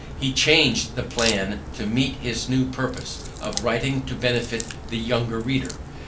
He changed the plan to meet his new purpose of writing to benefit the young reader.